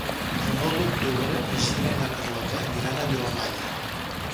El nou d'octubre na Gina i na Carlota aniran a Vilamalla.